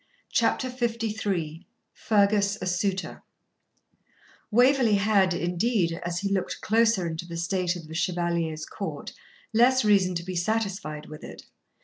CHAPTER LIII FERGUS A SUITOR Waverley had, indeed, as he looked closer into the state of the Chevalier's court, less reason to be satisfied with it.